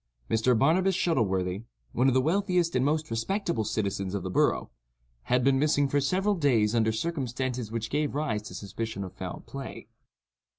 Mr. Barnabas Shuttleworthy—one of the wealthiest and most respectable citizens of the borough—had been missing for several days under circumstances which gave rise to suspicion of foul play.